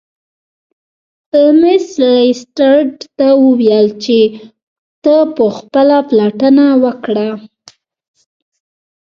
هولمز لیسټرډ ته وویل چې ته خپله پلټنه وکړه.